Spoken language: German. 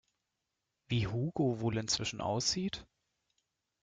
Wie Hugo wohl inzwischen aussieht?